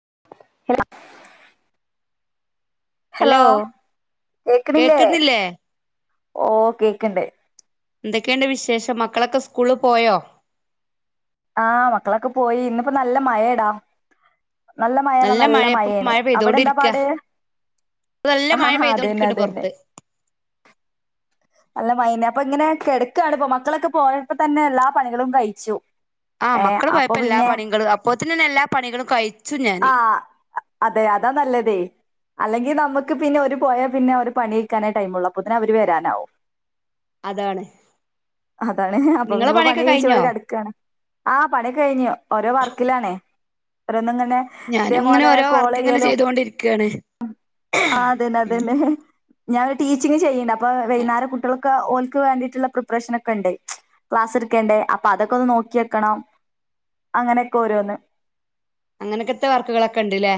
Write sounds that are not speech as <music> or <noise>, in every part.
<unintelligible> Hello കേക്ക്ണില്ലേ? കേക്കുന്നില്ലേ ഓ കേക്ക്ണ്ട്. എന്തൊക്കെണ്ട് വിശേഷം മക്കളൊക്കെ സ്കൂള് പോയോ? ആഹ് മക്കളൊക്കെ പോയി ഇന്ന് ഇപ്പോ നല്ല മഴെടാ. നല്ല മഴെറ്ന്നാ നല്ല മഴ ഇപ്പ മഴേണ് മഴ അവ്ടെ എന്താ പെയ്തോണ്ടിരിക്ക പാട്? നല്ല മഴ ആഹ് അതെന്നെ പെയ്തോണ്ടിരിക്കണ്ട് അതെന്നെ. പുറത്ത് അല്ല മഴേന്നെ അപ്പ ഇങ്ങനെ കെടക്കാണ് ഇപ്പൊ മക്കളൊക്കെ പോയപ്പോ തന്നെ എല്ലാ പണികളും കഴിച്ചു. ആഹ് ഏ മക്കള് അപ്പൊ പോയപ്പോ എല്ലാ പിന്നെ പണി ങ്കളും അപ്പൊതിന്നെന്നെ എല്ലാ പണികളും കഴിച്ചു ഞാൻ. ആ അതെ അതാ നല്ലതേയ്. അല്ലെങ്കിൽ നമ്മക്ക് പിന്നെ ഓര് പോയാൽ പിന്നെ ഓരോ പണി കയിക്കാനേ ടൈം ഒള്ളു അപ്പൊത്തിന് അവര് വരാനാവും. അതാണ്. അതാണ് അപ്പൊ നിങ്ങളെ പിന്നെപ്പോ പണി പണിയൊക്കെ കഴിച്ച് കഴിഞ്ഞോ ഇവിടെ കെടക്കാണ്. ആഹ് പണി കഴിഞ്ഞു. ഓരോ വർക്കിലാണേ ഓരോന്നിങ്ങ <unintelligible> ഇതേ ഞാനും ഇങ്ങനെ മൊലേ ഓരോ വർക്ക് ഇങ്ങനെ കോളെയ്യലും. ചെയ്തുകൊണ്ടിരിക്കയാണ് ആഹ് അത് തന്നെ അത് ഉം തന്നെ. ഞാൻ ടീച്ചിങ്ങ് ചെയ്യണ്ട് അപ്പൊ വൈയ്ന്നേരം കുട്ട്യള് <unintelligible> ഓൽക്ക് വേണ്ടിയിട്ടുള്ള പ്രിപ്രേഷനെക്കെ ഇണ്ടേ. ക്ലാസ് എടുക്കേണ്ടേ അപ്പൊ അതൊക്കെ ഒന്ന് നോക്കി വെക്കണം അങ്ങനെക്കെ ഓരോന്ന് അങ്ങനെക്കത്ത വർക്കുകളൊക്കെ ഇണ്ട്ല്ലേ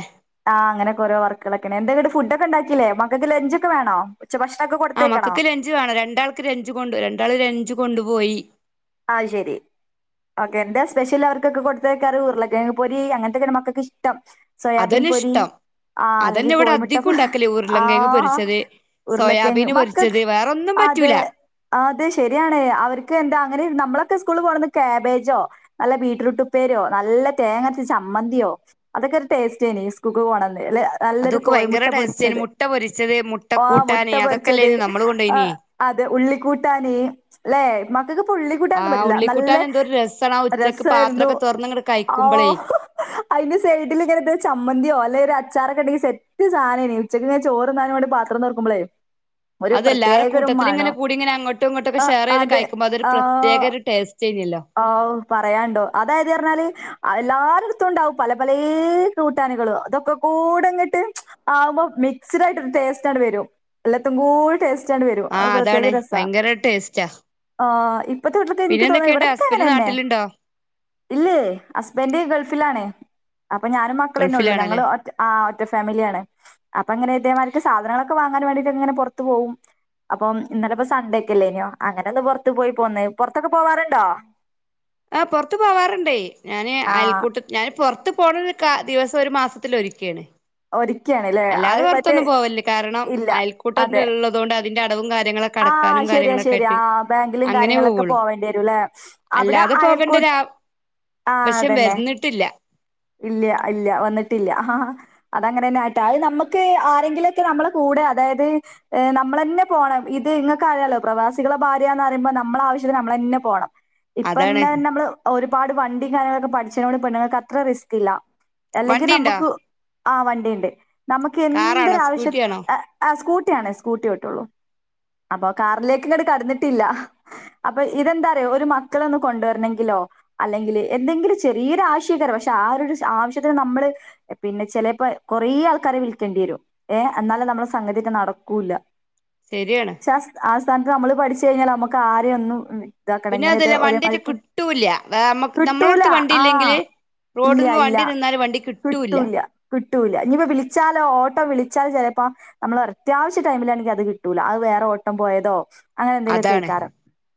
<unintelligible> ഫുഡെക്കെ ഇണ്ടാക്കിയില്ലേ മക്കക്ക് ലഞ്ച് ഒക്കെ വേണോ ഉച്ച ഭക്ഷണം ഒക്കെ ആഹ് കൊടുത്തേക്കണോ മക്കക്ക് ലഞ്ച് വേണം. രണ്ടാൾക്ക് ലഞ്ച് കൊണ്ടു രണ്ടാള് ലഞ്ച് കൊണ്ടുപോയി അയ് ശരി. ഓക്കെ എന്താ സ്പെഷ്യല് അവർക്കൊക്കെ കൊടുത്ത് അയക്കാറ് ഉരുള കെഴങ്ങ് പൊരി അങ്ങനത്തെക്കെണ് മക്കക്ക് ഇഷ്ടം. സോയാബീൻ അതന്നെ പൊരി, ഇഷ്ടം ആഹ് അതന്നെ അല്ലെങ്കിൽ ഇവിടെ കോഴിമുട്ട അധികം ഉണ്ടാക്കല് ഉരുളങ്കിഴങ്ങ് ആഹ് പൊരിച്ചത് ഉരുളക്കെയങ്ങ് സോയാബീന് മക്കക്ക് പൊരിച്ചത് വേറൊന്നും പറ്റൂല അതെ അതെ ശെരിയാണ് അവർക്ക് എന്താ അങ്ങനെ <unintelligible> നമ്മളൊക്കെ സ്കൂളില് പോണത് കാബേജോ നല്ല ബീറ്റ്റുട്ട് ഉപ്പേരിയോ നല്ല തേങ്ങ അരച്ച ചമ്മന്തിയോ അതൊക്കെ ഒരു ടേസ്റ്റ് തന്നെ. ഈ സ്കൂക്ക് പോണ അന്ന് <unintelligible> നല്ലൊരു അതൊക്കെ കോഴിമുട്ട ഭയങ്കര ടേസ്റ്റേന് പൊരിച്ചത് മുട്ട പൊരിച്ചത് ഓഹ് മുട്ട മുട്ടക്കൂട്ടാന് പൊരിച്ചത് അതൊക്കെല്ലേന് നമ്മള് ആഹ് കൊണ്ടോയിനിയേ അതെ ഉള്ളിക്കൂട്ടാന് ല്ലേ. ആഹ് ഉള്ളിക്കൂട്ടാന് എന്തോരു രസാണ്. ആ ഉച്ചക്ക് പാത്രെക്കെ തൊറന്ന് അങ്ങട് ആഹ് അതിന്റ് സെയ്‌ടില് ഇങ്ങനെ ഇത് ചമ്മന്തിയോ അല്ലെ ഒരു അ അച്ചാറേക്കേ ഉണ്ടെങ്കിൽ സെറ്റ് സാധനന് ഉച്ചക്ക്ങ്ങനെ ചോറ് ഉണ്ണാൻ പാത്രം തുറക്കുമ്പോളേ- ഒരു അത് എല്ലാരുംടെ പ്രത്യേക ഒരു കൂട്ടത്തില് മണവാ ഇങ്ങെനെ കൂടി അങ്ങോട്ട്‌ ഇങ്ങോട്ടൊക്കെ ആ ഷെയർ ചെയ്ത് അതെ കഴക്കുമ്പോ അത്- ഒരു പ്രത്യേക ഒരു ടേസ്റ്റ് ചെയ്യുല്ലോ ഓ പറയാനുണ്ടോ അതായത് പറഞ്ഞാല് എല്ലാരുടടുത്തുംണ്ടാവും പല പല കൂട്ടാനികൾ അതൊക്കെ കൂടെ എന്നിട്ട് ആകുമ്പം മിക്സ്ട് ആയിട്ട് ടേസ്‌റ്റ് അങ്ങട് വരും <unintelligible> വരും ആ ആഹ് പ്രത്യേക അതാണ് രസ ഭയങ്കര ടേസ്റ്റാ ആഹ് ഇപ്പത്തെട്ട എനിക്ക് പിന്നെ തോന്നുന്നു എന്തൊക്കെയുണ്ട് ഇവിടെ- അങ്ങനെ ഹസ്ബൻഡ് തന്നെ നാട്ടിലുണ്ടോ ഇല്ലേ ഹസ്ബൻഡ ഗൾഫിലാണേ അപ്പൊ ഞാനും മക്കള തന്നെ ഉള്ളൂ ഞങ്ങൾ ഗൾഫിലാണല്ലേ ഒ ആഹ് ഒറ്റ ഫാമിലിയാണ് അപ്പൊ അങ്ങനെ ഇതേമാർക്ക് സാധനങ്ങളൊക്കൊ വാങ്ങും അങ്ങന വേണ്ടീട്ട്ങ്ങെ പുറത്തു പോകും അപ്പം ഇന്നലെ ഇപ്പ സണ്ടേ ഒക്കല്ലേ അങ്ങനെ ഒന്ന് പുറത്തത്ത് പോയി പോന്നേ പുറത്തൊക്കെ പോവാറുണ്ടോ ആഹ് പുറത്തു പോവാറുണ്ടേ ഞാന് ആ അയൽക്കൂട്ടഞാൻ പുറത്ത്- പോണ ദിവസം ഒരു മാസത്തിലൊരിക്കയാണ് ഒരുക്കാണ്ല്ലേ അല്ലാതെ അത് മറ്റേ പുറത്തൊന്നും പോവല്ലേ കാരണം ഇല്ല അയൽക്കൂട്ടം ഉള്ളതുകൊണ്ട് അതിന്റെ അടവും കാരി ആഹ് ശരിയാ ശരിയാ ബാങ്കിലും അങ്ങനെ കാര്യങ്ങളൊക്കെ പോവുള്ളു പോവേണ്ടി വരും അല്ലേ അവിടെ അല്ലാതെ പോകേണ്ട ഒരു അയൽക്കോട്ട്- ആഹ് അത് ആവശ്യം തന്നെ വരുന്നിട്ടില്ല ഇല്ല ഇല്ല വന്നിട്ടില്ല ആഹ് അതങ്ങനെ തന്നെ ആട്ട അത് നമുക്ക് ആരെങ്കിലുംക്കെ നമ്മടെ കൂടെ അതായത് നമ്മള്- എന്നന്നെ പോണം ഇത് ഇങ്ങൾക്ക അറിയാലോ പ്രവാസികള ഭാര്യന്ന് പറുമ്പോ നമ്മള ആവശ്യത്തിന് നമ്മളന്നെ പോകണം അതാണ് ഇപ്പൊന്നെ നമ്മള് ഒരുപാട് വണ്ടിയും കാര്യങ്ങളൊക്കെ പഠിച്ച നമ്മള് പെണ്ങ്ങൾക്ക് അത്ര റിസ്ക് ഇല്ല അല്ലെങ്കിൽ വണ്ടിണ്ടോ നമുക്ക് ആഹ് വണ്ടിണ്ട് നമുക്ക് കാറാണോ എന്തൊരു ആവശ്യം സ്കൂട്ടി ആണോ ആഹ് സ്കൂട്ടിയ ആണേ സ്കൂട്ടിട്ടള്ളൂ അപ്പൊ കാറിലേക്ക് ഇങ്ങോട്ടടി കടന്നിട്ടില്ല അപ്പൊ ഇതെന്താറയ ഒരു മക്കളൊന്ന് കൊണ്ടുവരണമെങ്കിലോ അല്ലെങ്കിൽ എന്തെങ്കിലും ചെറിയൊരു ആശയക്കര പക്ഷെ ആ ആവശ്യത്തിന് നമ്മള് പിന്നെ ചിലപ്പോ- കുറേ ആൾക്കാര് വിളിക്കേണ്ടി വരും ഏഹ് എന്നാലേ നമ്മെ സംഗതിയൊക്കെ നടക്കൂല്ല ശരിയാണ് പക്ഷെ ആ സ്ഥാനത്ത് നമ്മള് പഠിച്ച കഴിഞ്ഞാൽ നമ്മുക്ക് ആരെയും ഒന്നും- ഇതാക്കണം പിന്നെ എങ്ങനെത് അതല്ല വണ്ടിയൊക്കെ ഒരേമാർക്ക് കിട്ടൂല്ല നമ്മക്ക് കിട്ടൂല നമ്മളടുത്ത് വണ്ടി ആഹ് ഇല്ലെങ്കില് ഇല്ല റോഡിൽന്ന് ഇല്ല വണ്ടി നിന്നാല് വണ്ടി കിട്ടൂല്ല കിട്ടുല്ല ഇനി ഇപ്പോ വിളിച്ചാലോ ഓട്ടോ വിളി വിളിച്ചാൽ ചിലപ്പോ നമ്മള അത്യാവശ്യ ടൈമിൽ എനിക്ക് അത് കിട്ടൂല അത് വേറെ ഓട്ടം പോയതോ- അങ്ങനെ എന്തെങ്കിലുക്കെ അതാണ് കേൾക്കാറ്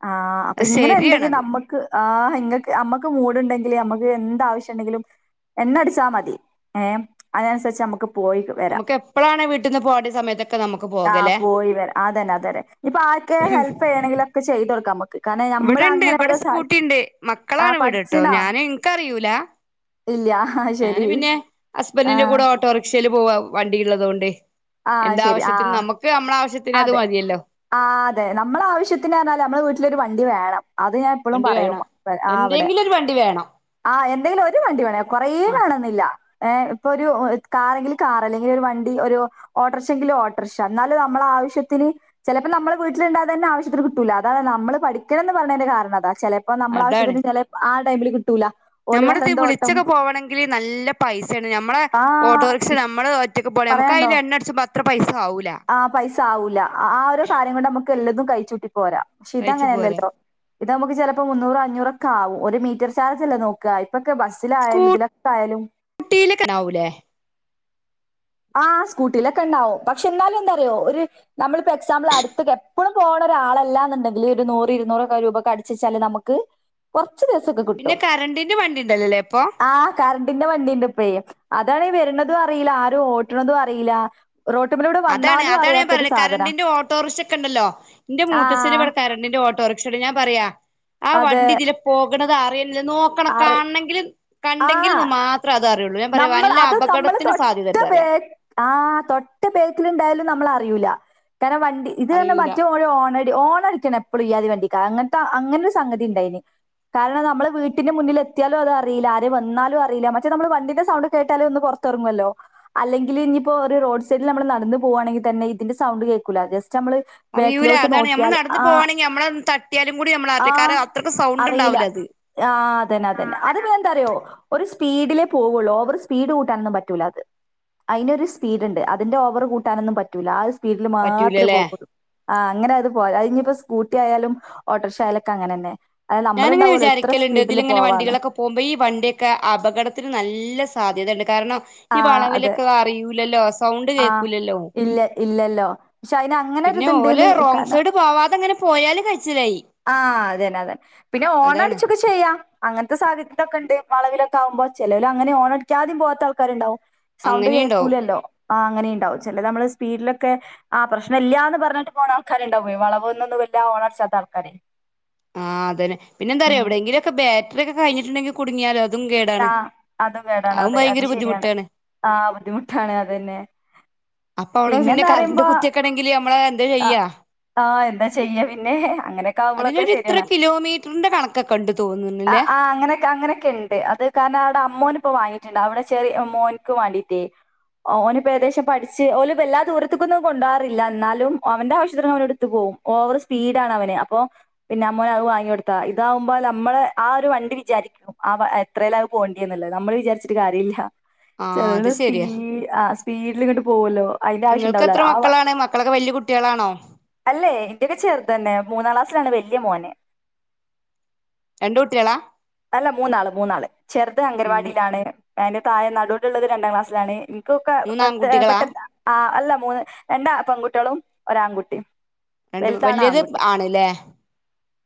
ആഹ് അപ്പൊ ഇങ്ങനെ ഉണ്ടെങ്കിൽ ശരിയാണത് നമുക്ക് ആഹ് നമ്മുക്ക് മൂഡണ്ടെങ്കില്ൽ നമ്മുക്ക് എന്ത്‌ ആവശ്യംണ്ടെങ്കിലും എണ്ണ അടിച്ചാൽ മതി ഏഹ് അതിനനുസരിച്ച് നമുക്ക്- പോയിട്ട് വരാം നമുക്ക് എപ്പളാണ് വീട്ടിൽന്ന് പോകേണ്ട സമയത്തൊക്കെ നമുക്ക് ആഹ് പോകലേ പോയി വരാം ആഹ് അത് തന്നെ അ ഹെൽപ്പ് ചെയ്യണങ്കിലൊക്കെ ചെയ്ത് കൊടുക്കാം നമുക്ക് കാരണം നമ്മൾ ഇവിടെണ്ട് അങ്ങനെ ഇവിടെ ഓരോ സാ സ്കൂട്ടിഉണ്ട് ആ മക്കളാണ് ഇവിടെട്ടോ പഠിച്ചിണോ ഞാൻ എനക്ക് അറിയൂല ഇല്ല ആ ഞാന് ശരി പിന്നെ ആ ഹസ്ബൻന്റെ കൂടെ ഓട്ടോറിക്ഷൽ പോവാ വണ്ടി ഉള്ളതൊണ്ട് ആ ശരി ആ എന്താവശ്യത്തിനനും നമുക്ക് നമ്മുടെ ആവശ്യ അതെ ആഹ് അതെ നമ്മള ആവശ്യത്തിന് നമ്മെ വീട്ടിലോരു വണ്ടി വേണം അത് ഞാൻ എപ്പോഴും വണ്ടി പറയും വേണം ആഹ് അവിടെ എന്തെങ്കിലും ഒരു വണ്ടി വേണം ആഹ എന്തെങ്കിലും ഒരു വണ്ടി വേണം കൊറെ ആ വേണെന്നില്ല ഏഹ ഇപ്പൊ ഒരു കാറെ എങ്കിലും കാർ അല്ലെങ്കിൽ ഒരു വണ്ടി ഒരു ഓട്ടോറിക്ഷ എങ്കിലും ഓട്ടോറിക്ഷ എന്നാലും നമ്മള ആവശ്യത്തിന് ചിലപ്പോ നമ്മ വീട്ടിലുണ്ടാതെന്നെ ആവശ്യത്തിന് കിട്ടൂല അത നമ്മ പഠിക്കണംന്ന് പറഞ്ഞതി് കാരണം അതാണ് ചിലപ്പോ നമ്മള ആവശ്യത്തിന് ചില ആ ടൈമില്- കിട്ടൂല ഓല് നമ്മള വേറെന്തോ ഓട്ടം വിളിച്ചൊക്കെ പോകണെങ്കിൽ നല്ല പൈസയാണ് നമ്മളെ ആ ഓട്ടോറിക്ഷ നമ്മള്- ഒറ്റക്ക് പോണേ നമുക്ക് പറയാണ്ടോ അതിൽ എണ്ണ അടിച്ചുമ്പോ അത്ര പൈസ ആവൂല ആ പൈസ ആവൂല ആരോ കാര്യം കൊണ്ട് നമുക്ക്- എല്ലതും കഴിച്ചുട്ടി പോരാ പക്ഷെ ഇത കഴിച്ചു പോരെ അങ്ങനെയല്ലല്ലോ ഇത് നമുക്ക് ചിലപ്പോ മുന്നൂറ് അഞ്ഞൂറൊക്കെ ആവും ഒരു മീറ്റർ ചാർജല്ല നോക്കുക ഇപ്പൊക്കെ ബസ്സിലായാലും ഇതിലൊക്കെ ആയാലും സ്കൂട്ടിയിലൊക്കെ ഉണ്ടാവൂലേ ആഹ് സ്കൂട്ടിയിലൊക്കെ ഉണ്ടാവും പക്ഷെ എന്നാലും എന്താറിയുമോ ഒരു നമ്മളിപ്പോൊ എക്സാമ്പിൾ അടുത്തൊ എപ്പോഴും പോണ- ഒരാളല്ലാന്നുണ്ടെങ്കിൽ ഒരു നൂറ് ഇരുന്നൂറൊക്കെ രൂപ അടിച്ചച്ചാല് നമുക്ക്- കുറച്ചു ദിവസൊക്കെ പിന്നെ കിട്ടും കറണ്ടിന്റെ വണ്ടി ഉണ്ടല്ലോല്ലേ ഇപ്പൊ ആ കറണ്ടിന്റെ വണ്ടിണ്ട് ഇപ്പഴ് അതാണ വരുന്നതും അറിയില്ല ആരും ഓട്ടണതും അറിയില്ല റോട്ടുമ്മലൂടെ അതാണ് വന്നാലും അതാണ് ഞാൻ അറിയാത്തൊരു പറത് സാധന കരണ്ടിന്റെ ഓട്ടോറിച്ച് ഒക്ക ഉണ്ടല്ലോന്റെ ആ മൂത്തശരി ഇടെ കരണ്ടിന്റെ ഓട്ടോറി ഞാൻ പറയാ അതെ നോക്കണം അറി കാണെങ്കിലും ആ കണ്ടെങ്കിലും മാത്രം അത അറിയണം നമ്മൾ അത് നമ്മൾ തൊട്ട്േ പറയാ ആ തൊട്ട്േ <inaudible> ണ്ടായാലും നമ്മൾ അറൂല്ല കാരണം വണ്ടി ഇത് തന്നെ അറിയൂല മറ്റ ഓണ ഓണടിക്കണം എപ്പോഴും്യാതി വേണ്ടിിക്ക അങ്ങനത്തെ അങ്ങനൊ ഒരു സംഗതി ഉണ്ടായിന് കാരണം നമ്മള് വീട്ടിന്റെ മുന്നിൽ എത്തിയാലും അത് അറിയില്ല ആരെ വന്നാലും അറിയില്ല മറ്റേ നമ്മള് വണ്ടി സൗണ്ട് കേട്ടാലും ഒന്ന് പുറത്തിറങ്ങുവല്ലോ അല്ലെങ്കിൽ ഇനിയിപ്പോൊ ഒരു റോഡ് സൈഡിൽ നമ്മള് നടന്നന്ന് പോകുകവാണെങ്കിൽ തന്നെതി സൗണ്ട്ഡക്ക അറയിൂല അതാണ് നമ്മള് നടന്നന്ന് പോകവാണെങ്കിൽ നമ്മള ത പിയാലും കൂടി ആ നമ്മളറില്ല കാരണം അത്രക്കും സൗണ്ട് അറിയില്ല ഉണ്ടാവില്ല അത് ആ അതന്നെ അതന്നെ അത് വ എന്താറിയോ ഒരു സ്പീഡിലേ പോവയുള്ളൂ ഓവർ സ്പീഡ് കൂട്ടാനന്നും പറ്റൂല അത് അതിനന്ൊരു സ്പീഡ് ഉണ്ട് അതിന്റെ ഓവർ കൂട്ടാനൊന്നും പറ്റൂല ആ സ്പീഡില് മാത്രമേ പറ്റൂലല്ലേ പോകുള്ളു ആ അങ്ങനെ അത് പോ അഞ്ഞ ഇപ്പോ സ്കൂട്ടി ആയാലും ഓട്ടർഷായലൊക്കെ അങ്ങനെ തന്നെ ഞാാനിങ്ങനെ വിചാരിക്കലുണ്ട് ഇതില ഇങ്ങനെ വണ്ടികളൊക്കെ പോകുമ്പോ ഈ വണ്ടിയൊക്കെ അപകടത്തിന് നല്ല സാധ്യതണ്ട് കാരണം ഈ ആഹ് അതെ വളവിലൊക്കെ അറിയൂലല്ലോ സൗണ്ട് ആഹ് കേൾക്കൂലല്ലോ ഇല്ല ഇല്ലല്ലോ പക്ഷെ അയിന് അങ്ങനെ പിന്നെ ഓലെ ഒരിതുണ്ട്ന്ന് റോങ് കാരണം സൈഡ് പാവാതെ അങ്ങനെ പോയാല് കഴിച്ചതായി ആഹ അതന്നെ അതെ പിന്നെ ഓണം അടിച്ചൊക്കെ ചെയ്യാം അങ്ങനത്തെ സാധ്യതതൊക്കെ ഉണ്ട് മളവിലൊക്കെ ആുമ്പോ ചെിലവൽ അങ്ങനെ ഓണടിക്കാദ്യം പോവാത്ത ആൾക്കാരുണ്ടാവും സൗണ്ട് അങ്ങനെയുണ്ടാവും കേൾക്കൂലല്ലോ ആ് അനെ ഉണ്ടും ചെില നമ്മള് സ്പീഡിലൊക്കെ ആ പ്രശ്നമല്ല എന്ന് പറഞ്ഞിട്ട് പോണ ആൾക്കാരുണ്ടാവും വളവ് എല്ല വളർച്ചത്ത ആൾക്കാര ആഹ്തെ പിന്നെന്താറയാ എവിടെെങ്കിലുംൊക്കെ ബറ്ററി ഒക്കെ കിഞ്ഞിട്ടുണ്ടെങ്കിൽ കുടുങ്ങിയാലോ അതും കേടാണ് ആഹ അതും കേേടാണ് അതും അത് അത് ഭയങ്കര ശരിയാണ് ബുദ്ധിമുട്ടാണ് ആ ബുദ്ധിമുട്ടാണ് അത്ന്നെ അപ്പൊ അവിടെ പിന്നെ കറണ്ട് കുത്തിക്കണെങ്കില് നമ്മള എന്താ ചെയ്യാ ആഹ് എന്താ ചെയ്യാ പിന്നെ അങ്ങനെയൊക്കെ ആവുമ്പോളൊക്കെ അതിനൊരു ഇത്ര ശരിയാണ് കിലോമീറ്ററിന്റെ കണക്കൊക്കെ ഉണ്ട് തോന്നുന്നുില്ലേ ആഹ്ങ്ങന അങ്ങനൊക്കെ ഉണ്ട് അത് കാരണം അവിടെ അമ്മോനി ഇപ്പോ വാങ്ങിട്ടുണ്ട് അവിടെ ചെറിയ അമ്മോനക്ക് വേണ്ടീട്ടേ ഓ അവന ഇപ്പോ ഏദേശം പഠിച്ച്ഓ വല്ലാ ദൂരത്തക്കൊന്നും കൊ പോാറില്ല എന്നാലും അവന്റെ ആവിശ്യത്തി അവന എടുത്ത്ു പോകും ഓവർ സ്പീഡാണ് അവന് അപ്പൊ പിന്നെ അമ്മോന അവ വാങ്ങി കൊടുത്താ ഇതാവുമ്പോ നമ്മള് ആ ഒരു വണ്ടി വിചാരിക്കും ആ എത്രേല്ല അവ പോകേണ്ടിന്നല്ലേ നമ്മൾ വിചാരിച്ചിട്ട് കാര്യമില്ല ആ അത് ചെിലന് ശരിയാ സ്പീഡ് ആ സ്പീഡിൽ ഇങ്ങോട്ട് പോവല്ലോ അതിന്റെ നിങ്ങൾക്ക് ആവശ്യംുണ്ടാവല എത്ര ആ മക്കളാണ് മക്കളൊക്കെ വല്യ കുട്ടികളാണോ അല്ലേ ഇന്റെയൊക്കെ ചെറത്തന്നെ മൂന്നാം ക്ലാ ാണ് വലിയ മോനെ രണ്ട കുഊട്ടികളാ അല്ല മൂന്നാള് മൂന്നാള് ചെറുത് അംഗൻവാടിയിലാണ്, അതിന്റെ തായെ നടുലുള്ളത് രണ്ടാം ക്ലാസ്സിലാണ്. ഒ മൂന്നാൺകുട്ടികളാ പെട്ടെന്ന് ആ അല്ല മൂന്ന് രണ്ട് പെൺകുട്ടികളും ഒരാൺകുട്ടിം. രണ്ട് വല്ലിയത് ആണ് അല്ലേ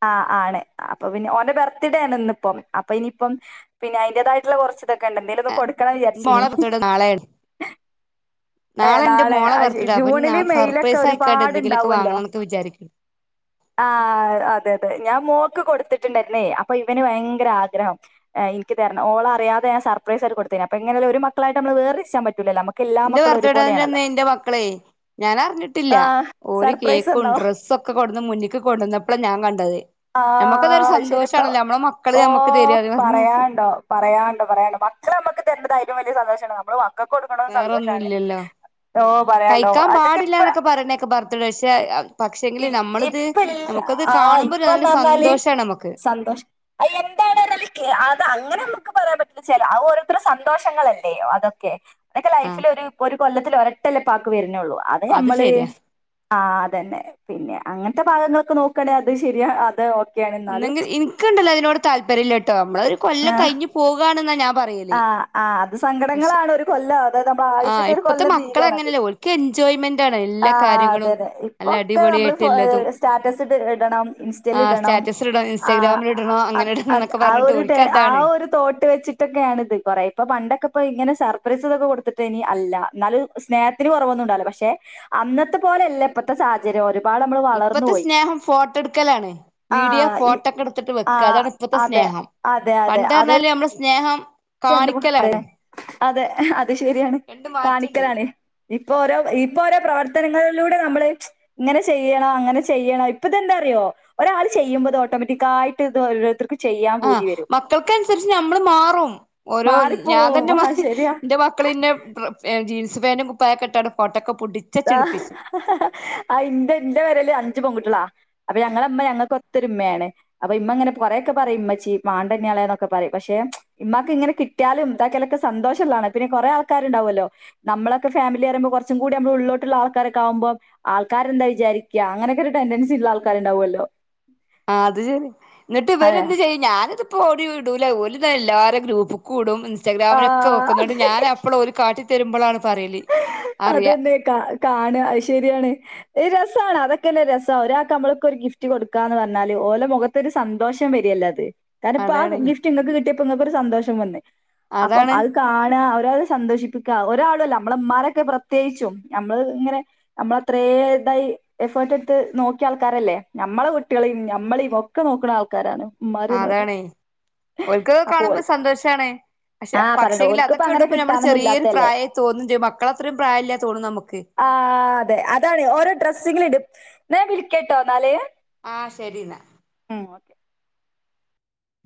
ആ ആണ് അപ്പൊ പിന്നെ ഓന്റെ ബർത്ത്ഡേ ആണ്. ഇന്നിപ്പം അപ്പൊ ഇനിയിപ്പം. പിന്നെ അയിന്റേതായിട്ടുള്ള കുറച്ച് ഇതൊക്കെ ഇണ്ട്. എന്തേങ്കിലൊ ക്കെ കൊടുക്കണന്ന് വിചാരിചീന്. മോളെ ബർത്ത്ഡേ നാളെയാണ് ഏ എന്റെ നാളെ മോളെ അത് ശരി ബർത്ത്ഡേ അപ്പൊ ഇനി ജൂണിലും നാളെ മെയിലൊക്കെ സർപ്രൈസ് ആയിക്കാണ്ട് ഒരുപാട് എന്തെങ്കിലുമൊക്കെ ഇണ്ടാവുവല്ലോ വാങ്ങണം എന്നൊക്കെ വിചാരിക്കുന്നു ആ അതെ അതെ ഞാൻ മോക്ക് കൊടുത്ത് ണ്ടായിരുന്നേ അപ്പൊ ഇവന് ഭയങ്കര ആഗ്രഹം. <unintelligible> ക്കി തരണോ ഓളറിയാതെ ഞാൻ സർപ്രൈസ് ആയിട്ട് കൊടുതെനെ അപ്പ ഇങ്ങനെ ഒരു മക്കളായിട്ട് നമ്മൾ വേർതിരിച്ചാൻ പറ്റൂലല്ലോ നമക്ക് എന്റെ ഭർത്താവിന്റവിടന്നേ എന്റെ മക്കളെ ഞാൻ അറിഞ്ഞിട്ടില്ല ആഹ് ഒരു സർപ്രൈസ് കേക്കും തന്നോ ഡ്രസ്സ്‌, ഒക്കെ കൊണ്ടന്ന് മുന്നിക്ക് കൊണ്ടുവന്നപ്പോഴാ ഞാൻ കണ്ടത്. ആ നമ്മുക്കതൊരു അത് ശരിയെന്നാ സന്തോഷാണല്ലോ നമ്മളെ മക്കള് ഓ നമ്മക്ക് തരാന്ന് പറഞ്ഞു പറയാണ്ടോ പറയാണ്ടോ പറയാണ്ടോ മക്കള് നമുക്ക് തര ഏറ്റവും വലിയ സന്തോഷാണ്. കൊടുക്കണത് സന്തോഷാണ്. വേറൊന്നുല്ലല്ലോ ഓ പറയാന്ണ്ടോ. കഴിക്കാൻ അതൊക്കെ പാടില്ല ഇപ്പ എന്നൊക്കെ പറയണേക്കെ ബർത്ത്ഡേ പക്ഷെ പക്ഷെങ്കില് നമ്മളിത് ഇപ്പില്ല നമുക്കത് ആയ് കാണുമ്പോ നല്ല ഇപ്പന്ന് പറഞ്ഞാല് സന്തോഷാണ് നമുക്ക് സന്തോഷ് അയ്യാ എന്താണ് എന്നല് അത് അങ്ങനെയൊന്നു അതൊന്നും പറയാൻ പറ്റില്ല. ചെല ഓരോരുത്തരുടെ സന്തോഷങ്ങളല്ലേ അതക്കെ. അതക്കെ ആഹ് ലൈഫിൽ ഒരു ഒരു കൊല്ലത്തില് ഒരുവട്ടല്ലേ ഉപ്പാക്ക്‌ വരുന്നുള്ളൂ. അത് നമ്മള്. ആ അതന്നെ. പിന്നെ അങ്ങനത്തെ ഭാഗങ്ങളൊക്കെ നോക്കാണെങ്കി അത് ശരി അത്. ഓക്കെയാണ് എന്നാലും ഒന്നെങ്കിൽ ഇനിക്ക് ഇണ്ടല്ലോ അതിനോട് താല്പര്യയില്ലാട്ടോ. നമ്മള് ഒരു കൊല്ലം ആഹ് കഴിഞ്ഞു പോകുകയാണെന്നാ ഞാൻ പറയല് ആഹ് ആ അ പക്ഷെ സങ്കടങ്ങളാണ് ഒരു കൊല്ലം അതായത് നമ്മടെ ആഹ് ആയുസ്സിന്റെ ഒരു ഇപ്പത്തെ കൊല്ലം മക്കള് തീരുവാണത്. അങ്ങനെയല്ല ഓൽക്ക് എൻജോയ്മെന്റ് ആണ് ആ എല്ലാ ആ അതെ കാര്യങ്ങളും അതെ നല്ല ഇപ്പൊക്കെ നമ്മള് അടിപൊളിയായിട്ട് എല്ലതും സ്റ്റാറ്റസ് ഇടണം ഇൻസ്റ്റൽ ആഹ് ഇടണം. സ്റ്റാറ്റസിൽ ഇടണം ആ ഇൻസ്റ്റാഗ്രാമിൽ ഇടണോ അങ്ങനെ ഇടണം അത് എന്നൊക്കെ ആ പറഞ്ഞിട്ട് ഒരു ഓൽക്ക് ആ അതാണ് ഒരു തോട്ട് വെച്ചിട്ട് ഇത് കുറെ ഇപ്പൊ പണ്ടൊക്കെ ഇ പണ്ടൊക്കെ ഇങ്ങനെ സർപ്രൈസ് കൊടുത്തിറ്റിനി. അല്ല, എന്നാലും സ്നേഹത്തിന് കുറവൊന്ന പക്ഷെ അന്നത്തെ പോലല്ല ഇപ്പോഴത്തെ സാഹചര്യം. ഒരുപാട് നമ്മള് വളർന്നു ഇപ്പത്തെ പോയി സ്നേഹം ഫോട്ടോയെടുക്കലാണ് വീഡിയോ ആഹ് ഇ ഫോട്ടോക്കെ എടുത്തിട്ട് ആഹ് വെക്കലാണ് ഇപ്പത്തെ അതെ സ്നേഹം അതെ അതെ പണ്ട് അതൊരു പറഞ്ഞാല് നമ്മളെ സ്നേഹം രണ്ട് അതെ കാണിക്കലാണ് അതെ അത് ശരിയാണ് രണ്ട് മാറ്റണ്ട് കാണിക്കലാണ് ഇപ്പൊ ഓരോ ഇപ്പോ ഓരോ പ്രവർത്തനങ്ങളിലൂടെ നമ്മള് ഇങ്ങനെ ചെയ്യണം അങ്ങനെ ചെയ്യണം ഇപ്പം തന്നെ അറിയ അറിയോ ഒരാൾ ചെയ്യിമ്പത് ഓട്ടോമാറ്റിക്കായിട്ട് ഇത് ഓരോരുത്തർക്ക് ചെയ്യാൻ ആ പൂതി വരും. മക്കൾക്കനുസരിച്ച് നമ്മള് മാറും ഓരോ ഞാൻ തന്നെ മാറിപ്പോവും ആ ശരിയാ. എന്റെ മക്കളെന്നെ <unintelligible> <unintelligible> സുേനങ്കും കുപ്പായം ഫോട്ടോക്ക <unintelligible> ആഹ് ഹ് ഹ ആ ഇന്റെ ന്റെ പെരേല് അഞ്ച് പെൺകുട്ടികളാ. അപ്പൊ ഞങ്ങളമ്മ ഞങ്ങൾക്ക് ഒത്തൊരുമ്മയാണ് അപ്പൊ ഇമ്മ അങ്ങനെ കൊറെയൊക്കെ പറയും ഉമ്മച്ചി മാണ്ടായിനിയയാളെ എന്നൊക്ക പറയും പക്ഷെ എ ഇമ്മാക്ക് ഇങ്ങനെ കിട്ടിയാലും സക്കാലൊക്കെ സന്തോഷം ഉള്ളതാണ്. പിന്നെ കുറേ ആൾക്കാരുണ്ടാവുവല്ലോ നമ്മളെക്കെ ഫാമിലി <unintelligible> കൊറച്ചുകൂടി നമ്മ ഉള്ളിലോട്ട് ഉള്ള ആൾക്കാരൊക്കെയാവുമ്പോ ആൾക്കാര് എന്താ വിചാരിക്ക്യ, അങ്ങനെയൊക്കെ ഒരു ടെൻഡൻസി ഇള്ള ആൾക്കാര് ഇണ്ടാവുവല്ലോ. ആ അത് ശരിയ, എന്നിട്ട് ഇവരെന്ത് ചെയ്യും ഞാനിത്പ്പോ ഓടി ഓര് എല്ലാരേം ഗ്രൂപ്പിക്ക് കൂടും. ഇൻസ്റ്റാഗ്രാമിലൊക്കെ വെക്കും. എന്നിട്ട് ആഹ് ഞാനപ്പളും ഒരു കാട്ടി തരുമ്പളാണ് പറയല്. അറിയാ അതെന്നെ കാ കാണ അത് ശരിയാണ്. അതൊക്കെല്ലെ രസം. ഒരാൾക്ക്‌ നമ്മളിപ്പോ ഒരു ഗിഫ്റ്റ്. കൊടുക്കാന്ന് പറഞ്ഞാല്. ഓലെ മുഖത്തൊരു സന്തോഷം വരിയല്ലേ അത്. രണം ഇപ്പ ആ അതാണ് ഗിഫ്റ്റ് ഇങ്ങക്ക് കിട്ടിയപ്പോ ഇങ്ങക്കൊരു സന്തോഷം വന്ന്‌. അപ്പം അതാണ് അത് കാണാ സന്തോഷിപ്പിക്കുക ഒരാളുല്ല നമ്മളെ ഉമ്മാനെ പ്രത്യേകിച്ചും, നമ്മൾ ഇങ്ങനെ നമ്മൾ അത്രേ ഇതായി എഫേർട്ട് എട്ത്ത് നോക്കിയ ആൾക്കാരല്ലേ. ഞമ്മളെ കുട്ടിളേം, നമ്മളേം ഒക്കെ നോക്കുന്ന ആൾക്കാരാണ്. ആ ഉമ്മാര്ന്ന് പറയുന്നത്. അതാണ്. ഓൻക്ക് അത് അപ്പൊ കാണുമ്പോ ഓൽ സന്തോഷാണ്. പക്ഷെ ആ പറയണ്ട പക്ഷേങ്കില് ഓൽക്കിപ്പ അങ്ങനെ അതൊക്കെയിടുമ്പൊള് നമ്മള് കിട്ടാനൊന്നും ചെറിയൊരു ഇല്ലാത്തല്ലേ. പ്രായം തോന്നും ചെയ്യും മക്കളെ അത്രയും പ്രായില്ല തോന്നും നമുക്ക് ആ അതെ അതാണ് ഓരോ ഡ്രസ്സിങ്ങിലിടും ഞാൻ വിളിക്കട്ടോന്നാല് ആ ശരിന്നാ